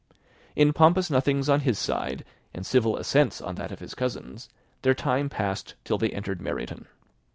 In pompous nothings on his side, and civil assents on that of his cousins, their time passed till they entered Meryton.